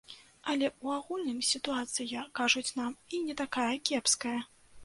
Але ў агульным сітуацыя, кажуць нам, і не такая кепская.